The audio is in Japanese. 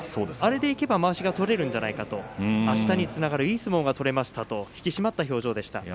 あれでいけばまわしが取れるんじゃないかと、あしたにつながるいい相撲が取れましたと引き締まった表情でした。